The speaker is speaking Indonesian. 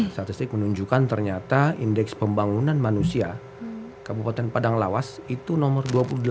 statistik menunjukkan ternyata indeks pembangunan manusia kabupaten padang lawas itu nomor dua puluh delapan